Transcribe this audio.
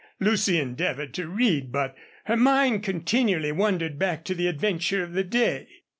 Lucy endeavored to read, but her mind continually wandered back to the adventure of the day.